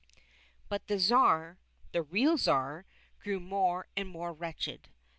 But the Tsar, the real Tsar, grew more and more wretched.